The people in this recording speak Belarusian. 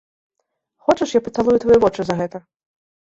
Хочаш, я пацалую твае вочы за гэта?